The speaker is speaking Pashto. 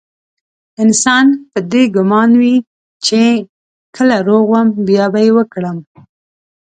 انسان په دې ګمان وي چې کله روغ وم بيا به يې وکړم.